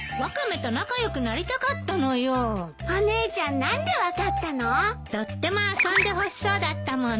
とっても遊んでほしそうだったもの。